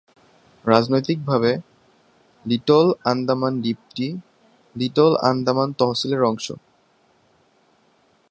রাজনৈতিকভাবে, লিটল আন্দামান দ্বীপটি লিটল আন্দামান তহসিলের অংশ।